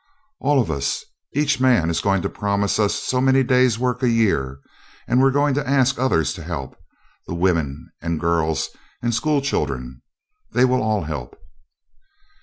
"All of us. Each man is going to promise us so many days' work a year, and we're going to ask others to help the women and girls and school children they will all help."